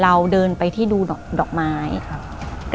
เราเดินไปที่ดูดอกไม้ครับ